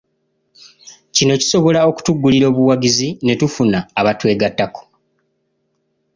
Kino kisobola okutugulira obuwagizi ne tufuna abatwegattako.